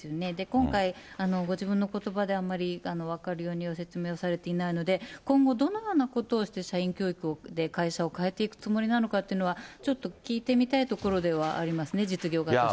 今回、ご自分のことばであんまり分かるようには説明をされてないので、今後どのようなことをして社員教育で会社を変えていくつもりなのかというのは、ちょっと聞いてみたいところではありますね、実業家としてね。